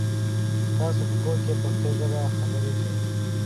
تاسو په کور کې پښتو ژبه خبري کوی؟